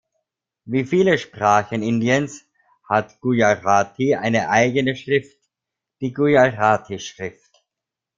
Wie viele Sprachen Indiens hat Gujarati eine eigene Schrift, die Gujarati-Schrift.